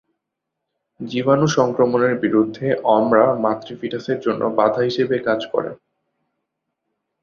জীবাণু সংক্রমণের বিরুদ্ধে অমরা মাতৃ-ফিটাসের জন্য বাধা হিসাবে কাজ করে।